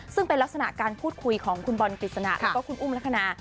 ซึ่งเป็นลักษณะการพูดคุยของคุณบอลกฤษณะแล้วก็คุณอุ้มลักษณะ